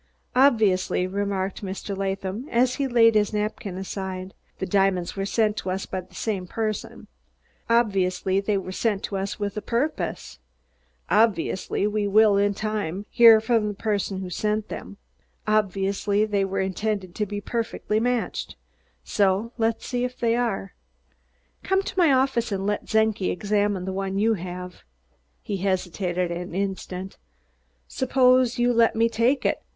"Obviously," remarked Mr. Latham as he laid his napkin aside, "the diamonds were sent to us by the same person; obviously they were sent to us with a purpose; obviously we will, in time, hear from the person who sent them; obviously they were intended to be perfectly matched; so let's see if they are. Come to my office and let Czenki examine the one you have." He hesitated an instant. "Suppose you let me take it.